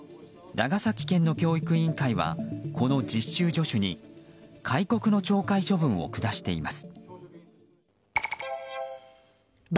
長崎県の教育委員会はこの実習助手に戒告の懲戒処分を下しています。